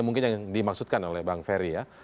mungkin yang dimaksudkan oleh bang ferry ya